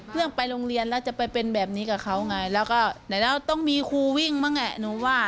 เพื่อไปโรงเรียนแล้วจะไปเป็นแบบนี้กับเขาไงแล้วก็ไหนแล้วต้องมีครูวิ่งบ้างแหละหนูว่า